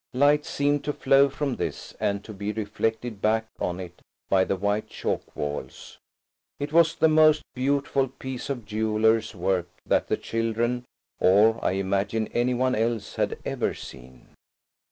Light seemed to flow from this, and to be reflected back on it by the white chalk walls. It was the most beautiful piece of jeweller's work that the children–or, I imagine, any one else–had ever seen.